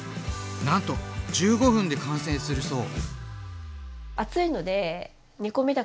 なんと１５分で完成するそう！